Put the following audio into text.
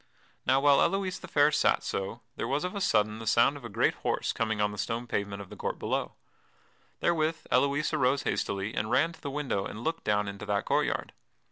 Now while Elouise the Fair sat so, there was of a sudden the sound of a great horse coming on the stone pavement of the court below. Therewith Elouise arose hastily and ran to the window and looked down into that court yard.